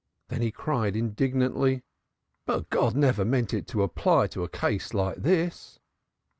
Then he cried indignantly: "But God never meant it to apply to a case like this!"